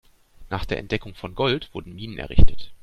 Nach der Entdeckung von Gold wurden Minen errichtet.